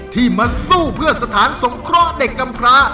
ที่มาสู้เพื่อสถานสงเคราะห์เด็กกำพระ